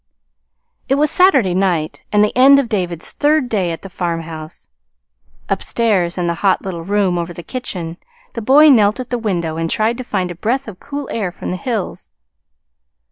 It was Saturday night, and the end of David's third day at the farmhouse. Upstairs, in the hot little room over the kitchen, the boy knelt at the window and tried to find a breath of cool air from the hills.